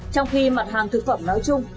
trong khi mặt hàng thực phẩm nói chung